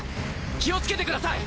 気をつけてください！